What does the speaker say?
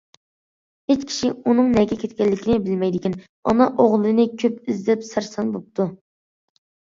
ھېچ كىشى ئۇنىڭ نەگە كەتكەنلىكىنى بىلمەيدىكەن، ئانا ئوغلىنى كۆپ ئىزدەپ سەرسان بوپتۇ.